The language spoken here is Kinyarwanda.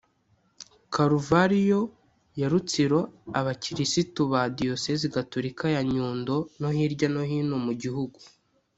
Karuvariyo ya Rutsiro abakirisitu ba Diyosezi Gatolika ya Nyundo no hirya no hino mu gihugu